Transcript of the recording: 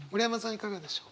いかがでしょう？